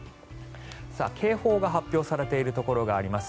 警報が発表されているところがあります。